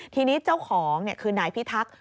ทีนี้เจ้าของคือนายพิทักษ์